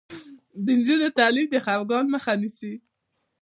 د نجونو تعلیم د خپګان مخه نیسي.